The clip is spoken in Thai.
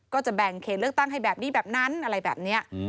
ก็จะแบ่งเขตเลือกตั้งให้แบบนี้แบบนั้นอะไรแบบนี้